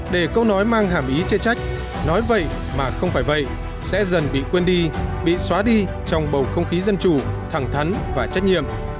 để câu nói mang hàm ý chê trách nói vậy mà không phải vậy sẽ dần bị quên đi bị xóa đi trong bầu không khí dân chủ thẳng thắn và trách nhiệm